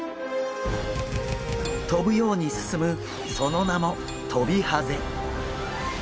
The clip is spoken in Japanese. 跳ぶように進むその名もトビハゼ。